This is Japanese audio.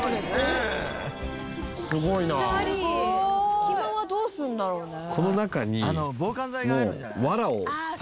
「隙間はどうするんだろうね？」